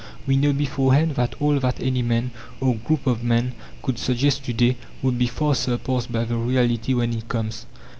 We know beforehand that all that any man, or group of men, could suggest to day would be far surpassed by the reality when it comes.